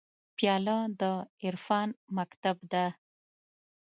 پیاله د عرفان مکتب ده.